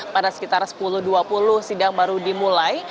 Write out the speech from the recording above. pada sekitar sepuluh dua puluh sidang baru dimulai